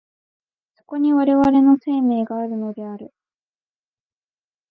そこに我々の生命があるのである。